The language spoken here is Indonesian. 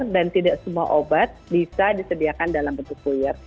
dan tidak semua obat bisa disediakan dalam bentuk queer